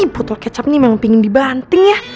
butuh kecap nih memang pingin dibanting ya